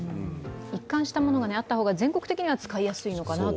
一貫したものがあった方が全国的には使いやすいのかなと。